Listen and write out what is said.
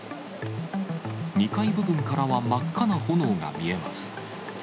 ２階部分からは真っ赤な炎が見えます。